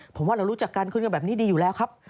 ผมว่าเรารู้จักกันคุยกันแบบนี้ดีอยู่แล้วครับ